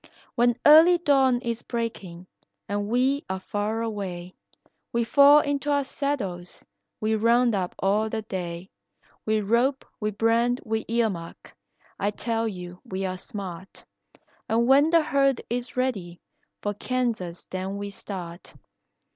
"When early dawn is breaking and we are far away, We fall into our saddles, we round up all the day; We rope, we brand, we ear mark, I tell you we are smart, And when the herd is ready, for Kansas then we start.